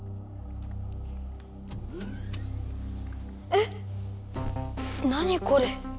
えっ何これ？